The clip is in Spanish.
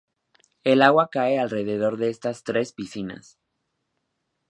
El agua cae alrededor de estas tres piscinas.